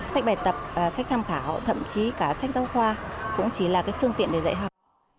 sách bài tập sách tham khảo thậm chí cả sách giáo khoa cũng chỉ là cái phương tiện để dạy học